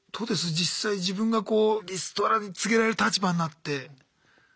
実際自分がこうリストラ告げられる立場になって。